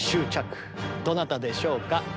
どなたでしょうか？